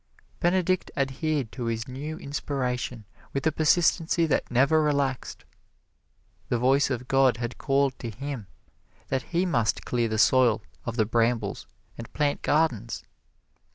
Benedict adhered to his new inspiration with a persistency that never relaxed the voice of God had called to him that he must clear the soil of the brambles and plant gardens.